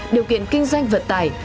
điều kiện kinh doanh vật tải